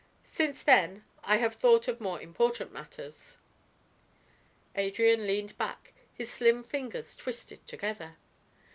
Since then I have thought of more important matters." Adrian leaned back, his slim fingers twisted together.